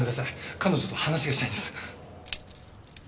彼女と話がしたいんです。